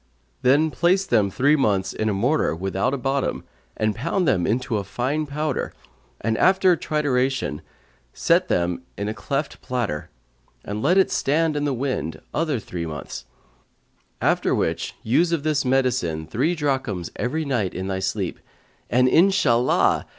Then place them three months in a mortar without a bottom and pound them to a fine powder and after trituration set them in a cleft platter, and let it stand in the wind other three months; after which use of this medicine three drachms every night in thy sleep, and, Inshallah!